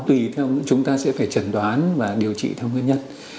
tùy theo chúng ta sẽ phải chẩn đoán và điều trị theo nguyên nhân